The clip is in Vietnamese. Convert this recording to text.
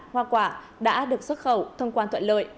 hoa quả đã được xuất khẩu thông quan thuận lợi